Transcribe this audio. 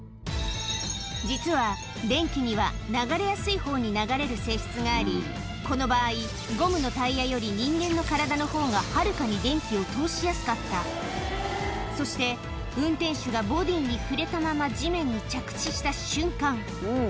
実は性質がありこの場合ゴムのタイヤより人間の体のほうがはるかに電気を通しやすかったそして運転手がボディーに触れたまま地面に着地した瞬間